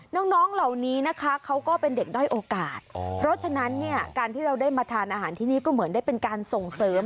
น้องเหล่านี้นะคะเขาก็เป็นเด็กด้อยโอกาสเพราะฉะนั้นเนี่ยการที่เราได้มาทานอาหารที่นี่ก็เหมือนได้เป็นการส่งเสริม